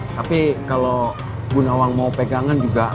tapi kalau bu nawang mau pegangan juga